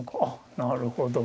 なるほど。